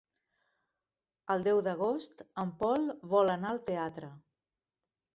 El deu d'agost en Pol vol anar al teatre.